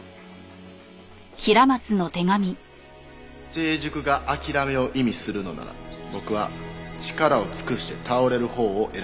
「成熟が諦めを意味するのなら僕は力を尽くして倒れるほうを選びたい」